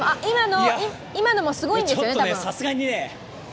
今のもすごいんですよね、多分。